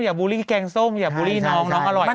บูลลี่แกงส้มอย่าบูลลี่น้องน้องอร่อย